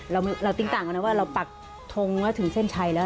เราติ้งต่างกันนะว่าเราปักทงแล้วถึงเส้นชัยแล้ว